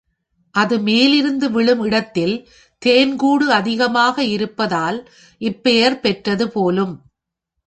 அது மேலிருந்து விழும் இடத்தில் தேன் கூடு அதிகமாக இருப்பதால் இப்பெயர் பெற்றது போலும்.